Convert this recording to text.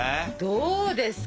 どうですか？